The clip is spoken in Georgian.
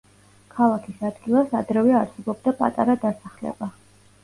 ქალაქის ადგილას ადრევე არსებობდა პატარა დასახლება.